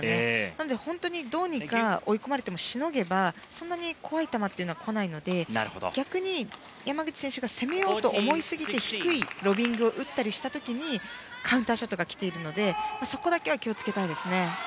なので本当にどうにか追い込まれてもしのげばそんなに怖い球は来ないので逆に、山口選手が攻めようと思いすぎて低いロビングを打ったりした時にカウンターショットが来ているのでそこだけは気を付けたいですね。